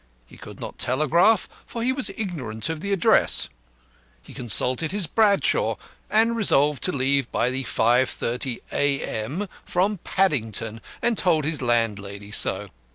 He could not telegraph, for he was ignorant of the address. He consulted his 'Bradshaw,' and resolved to leave by the 5.30 A.M. from Paddington, and told his landlady so.